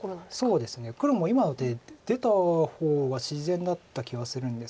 そうですね黒も今ので出た方が自然だった気がするんですが。